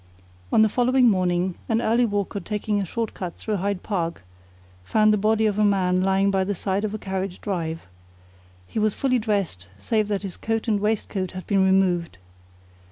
On the following morning, an early worker taking a short cut through Hyde Park, found the body of a man lying by the side of a carriage drive. He was fully dressed save that his coat and waistcoat had been removed.